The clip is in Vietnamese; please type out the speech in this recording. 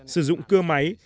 sử dụng cưa máy